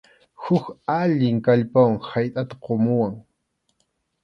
Huk allin kallpawan haytʼata qumuwan.